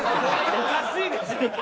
おかしいでしょ！